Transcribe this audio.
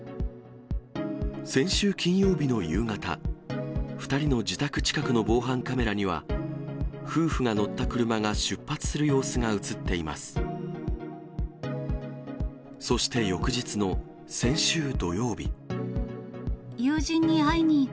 先週金曜日の夕方、２人の自宅近くの防犯カメラには、夫婦が乗った車が出発する様子が写っています。